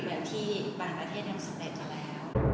เหมือนที่บางระเทศพ่อมี